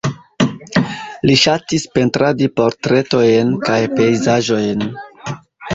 Li ŝatis pentradi portretojn kaj pejzaĝojn.